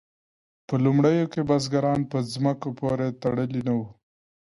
په لومړیو کې بزګران په ځمکو پورې تړلي نه وو.